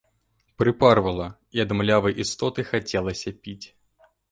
Прыпарвала, і ад млявай істоты хацелася піць.